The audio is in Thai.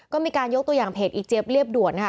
ก็มีการยกตัวอย่างเพจอีเจี๊ยเรียบด่วนค่ะ